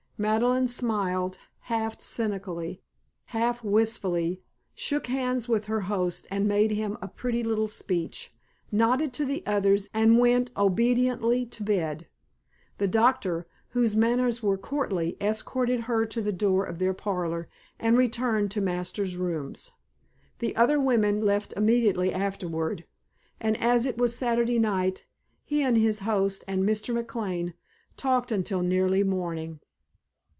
Madeleine smiled half cynically, half wistfully, shook hands with her host and made him a pretty little speech, nodded to the others and went obediently to bed. The doctor, whose manners were courtly, escorted her to the door of their parlor and returned to Masters' rooms. The other women left immediately afterward, and as it was Saturday night, he and his host and Mr. McLane talked until nearly morning.